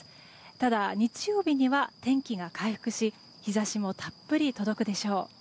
ただ、日曜日には天気が回復し日差しもたっぷり届くでしょう。